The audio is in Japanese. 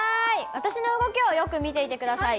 私の動きをよく見ていてください。